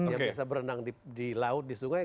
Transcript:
yang biasa berenang di laut di sungai